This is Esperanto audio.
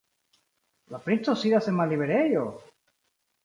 La princo sidas en malliberejo?